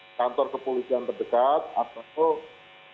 nggak soalnya gunanya memilih penipuan dari kantor darieresin dari kimia